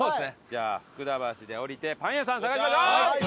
じゃあ福田橋で降りてパン屋さん探しましょう！